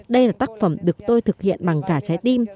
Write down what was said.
đây là tác phẩm được tôi thực hiện bằng cả trái tim